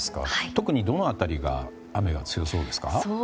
特にどの辺りで雨が強そうですか？